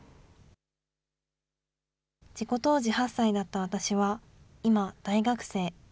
事故当時８歳だった私は、今、大学生。